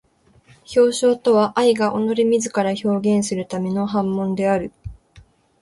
表象とは愛が己れ自ら表現するための煩悶である。